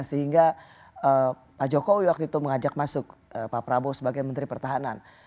sehingga pak jokowi waktu itu mengajak masuk pak prabowo sebagai menteri pertahanan